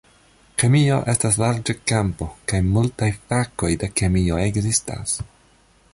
Kemio estas larĝa kampo kaj multaj fakoj de kemio ekzistas.